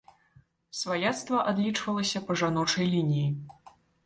Сваяцтва адлічвалася па жаночай лініі.